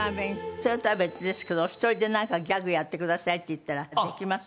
それとは別ですけどお一人でなんかギャグやってくださいって言ったらできます？